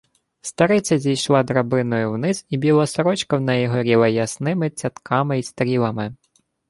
Стариця зійшла драбиною вниз, і біла сорочка в неї горіла ясними цятками й стрілами.